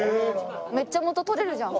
めっちゃ元取れるじゃん。